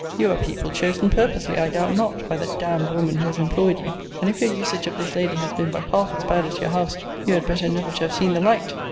You are people chosen purposely, I doubt not, by the d d woman who has employed you: and if your usage of this lady has been but half as bad as your house, you had better never to have seen the light.